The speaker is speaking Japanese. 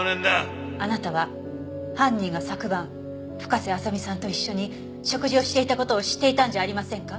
あなたは犯人が昨晩深瀬麻未さんと一緒に食事をしていた事を知っていたんじゃありませんか？